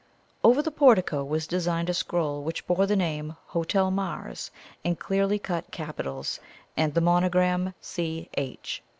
Over the portico was designed a scroll which bore the name "Hotel Mars" in clearly cut capitals, and the monogram "C. H."